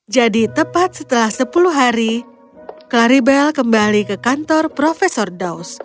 jadi tepat setelah sepuluh hari claribel kembali ke kantor profesor daws